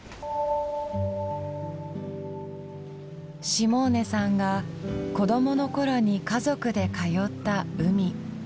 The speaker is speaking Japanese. シモーネさんが子どものころに家族で通った海。